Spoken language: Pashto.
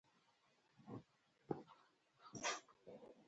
چا په ښو او بدو کار ونه لري.